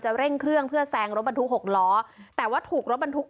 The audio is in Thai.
เร่งเครื่องเพื่อแซงรถบรรทุกหกล้อแต่ว่าถูกรถบรรทุก